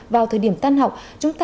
vào thời điểm tăn học